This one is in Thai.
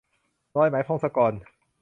รอยไหม - พงศกร